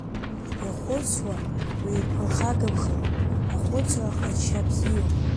Ихәыцуа уиԥырхагамхароуп ахәыцра ҟазшьа бзиоуп.